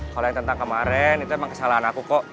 kalau yang tentang kemarin itu emang kesalahan aku kok